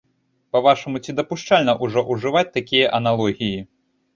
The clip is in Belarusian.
Па-вашаму, ці дапушчальна ўжо ўжываць такія аналогіі?